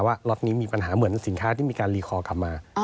ล็อตนี้มีปัญหาเหมือนสินค้าที่มีการรีคอลกลับมา